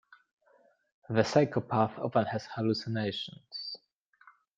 The psychopath often has hallucinations.